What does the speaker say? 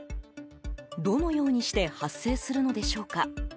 どのようにして発生するのでしょうか。